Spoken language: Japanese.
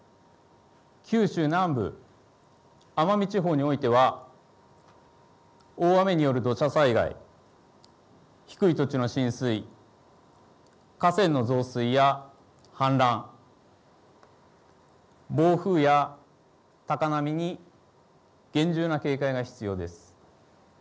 九州南部、奄美地方においては大雨による土砂災害、低い土地の浸水、河川の増水や氾濫、暴風や高波に厳重な警戒が必要です。